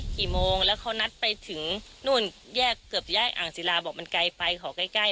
กี่โมงแล้วเขานัดไปถึงนู่นแยกเกือบย่ายอ่างศิลาบอกมันไกลไปขอใกล้ใกล้